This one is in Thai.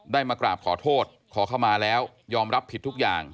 มากราบขอโทษขอเข้ามาแล้วยอมรับผิดทุกอย่าง